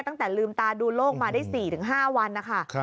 ตั้งแต่ลืมตาดูโลกมาได้๔๕วันนะคะ